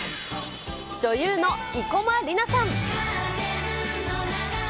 女優の生駒里奈さん。